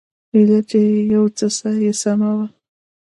ايله چې يو څه ساه يې سمه وه.